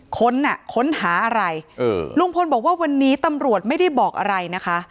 ค้นอ่ะค้นหาอะไรเออลุงพลบอกว่าวันนี้ตำรวจไม่ได้บอกอะไรนะคะ